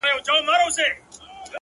یو ډارونکی” ورانونکی شی خو هم نه دی”